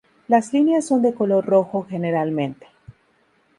Las líneas son de color rojo generalmente.